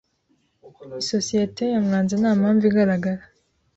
Isosiyete yamwanze nta mpamvu igaragara.